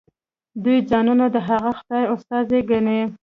دوی ځانونه د هغه خدای استازي ګڼي.